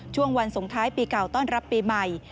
ช่วงวันสงท้ายปีเก่าต้อนรับปีใหม่